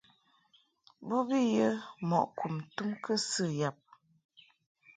Bo bi yə mɔʼ kum tum kɨsɨ yab.